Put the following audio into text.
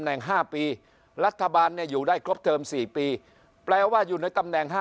่ง๕ปีรัฐบาลอยู่ได้ครบเทอม๔ปีแปลว่าอยู่ในตำแหน่ง๕